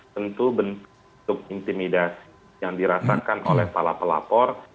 tentu bentuk intimidasi yang dirasakan oleh salah pelapor